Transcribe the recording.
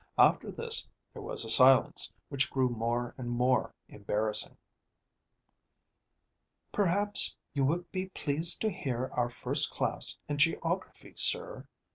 After this there was a silence, which grew more and more embarrassing. "Perhaps you would be pleased to hear our first class in geography, sir?"